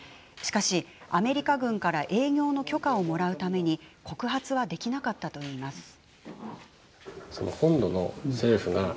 しかし、アメリカ軍から営業の許可をもらうために告発はできなかったといいます。